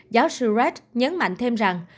giáo sư red nhấn mạnh thêm rằng